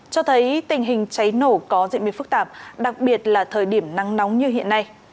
cho thấy tình hình cháy nổ có diễn biến phức tạp đặc biệt là thời điểm nắng nóng như hiện nay